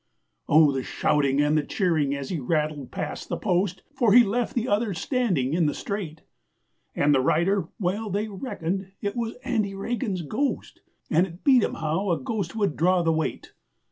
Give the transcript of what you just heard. Oh, the shouting and the cheering as he rattled past the post! For he left the others standing, in the straight; And the rider well they reckoned it was Andy Regan's ghost, And it beat 'em how a ghost would draw the weight!